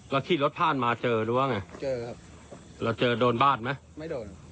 แล้วที่รถผ่านมาเจอหรือเปล่าไง